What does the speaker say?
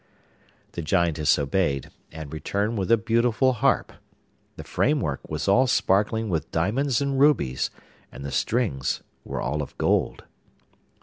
The Giantess obeyed, and returned with a beautiful harp. The framework was all sparkling with diamonds and rubies, and the strings were all of gold.